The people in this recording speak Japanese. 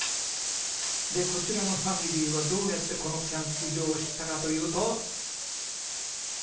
でこちらのファミリーはどうやってこのキャンプ場を知ったかというと。